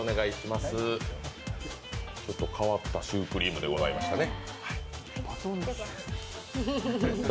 変わったシュークリームでございましたね。